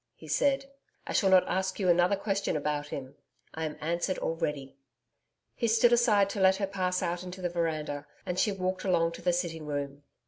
He said, 'I shall not ask you another question about him. I am answered already.' He stood aside to let her pass out into the veranda, and she walked along to the sitting room.